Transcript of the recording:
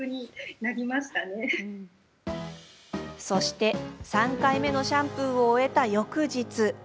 そして、３回目のシャンプーを終えた翌日。